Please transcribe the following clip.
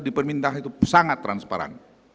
dipermintaan itu sangat transparan